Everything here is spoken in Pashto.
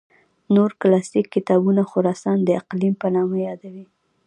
نور کلاسیک کتابونه خراسان د اقلیم په نامه یادوي.